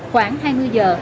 khoảng hai mươi giờ